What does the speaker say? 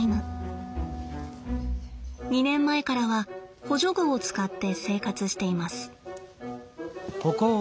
２年前からは補助具を使って生活しています。